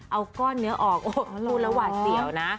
เอาก้อนเนื้อออกโอ้โหคุณระหว่าเสี่ยวนะ